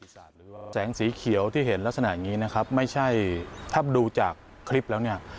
แสงสีเขียวที่เห็นลักษณะอย่างนี้นะครับไม่ใช่ถ้าดูจากคลิปแล้วเนี่ย